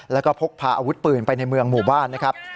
แล้วก็พกพาอาวุธปืนไปในเมืองหมู่บ้านนะครับ